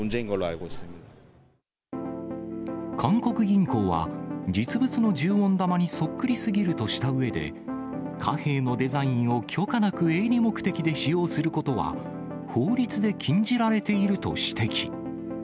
韓国銀行は、実物の１０ウォン玉にそっくりすぎるとしたうえで、貨幣のデザインを許可なく営利目的で使用することは、法律で禁じられていると指摘。